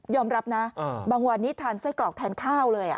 รับนะบางวันนี้ทานไส้กรอกแทนข้าวเลย